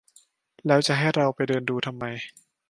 แล้วจะให้เราไปเดินดูทำไม